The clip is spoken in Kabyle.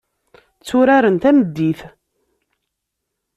Tturaren tameddit.